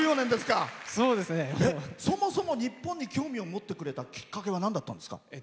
そもそも日本に興味を持ってくれたきっかけはなんだったんですか？